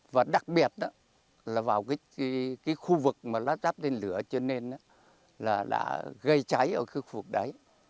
và đặc biệt là vào cái khu vực mà nó sát tên lửa cho nên là đã gây cháy ở khu vực đấy